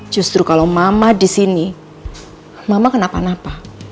justru kalau mama di sini mama kenapa napa